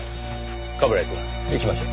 冠城くん行きましょう。